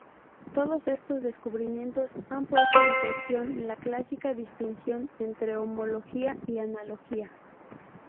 Todos estos descubrimientos han puesto en cuestión la clásica distinción entre homología y analogía.